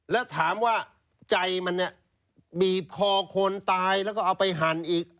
แล้วถามว่าใจมันเนี่ยบีบคอคนตายแล้วก็เอาไปหั่นอีก